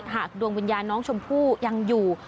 ดวงวิญญาณน้องชมพู่ยังอยู่